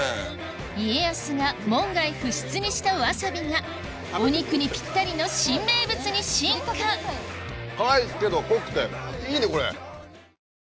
家康が門外不出にしたワサビがお肉にピッタリの新名物に進化辛いけど濃くていいねこれ。